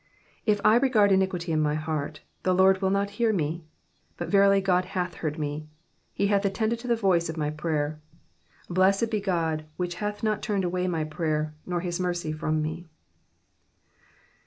18 If I regard iniquity in my heart, the Lord will not hear 19 But verily God hath heard me ; he hath attended to the voice of my prayer. 20 Blessed be God, which hath not turned away my prayer, nor his mercy from me.